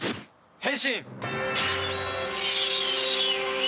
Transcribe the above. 変身！